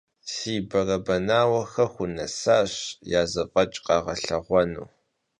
Si berebenauexer xunesaş ya zef'eç' khağelheğuenu.